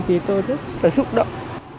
vì tôi rất là xúc động